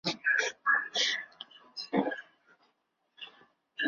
舞台的设定和他们在下雨期间他们能够完成的规模令人难以置信和印象深刻。